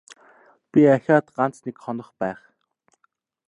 Би ахиад ганц нэг хонох байх.